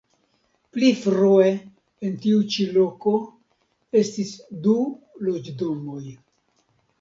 Pli frue en tiu ĉi loko estis du loĝdomoj.